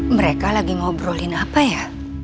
mereka lagi ngobrolin apa ya